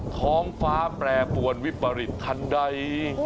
ท้องฟ้าแปรปวนวิปริตทันใด